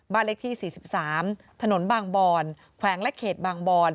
เลขที่๔๓ถนนบางบอนแขวงและเขตบางบอน